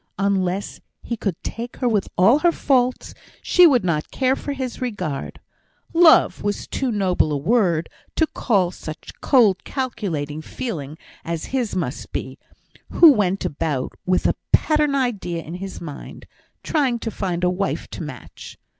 Unless he could take her with all her faults, she would not care for his regard; "love" was too noble a word to call such cold, calculating feeling as his must be, who went about with a pattern idea in his mind, trying to find a wife to match.